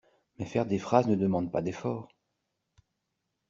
Mais faire des phrases ne demande pas d'effort.